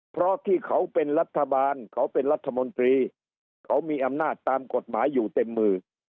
เพราะที่เขาเป็นรัฐบาลเขาเป็นรัฐมนตรีเขามีอำนาจตามกฎหมายอยู่เต็มมือ